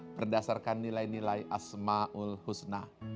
berdasarkan nilai nilai asmal husna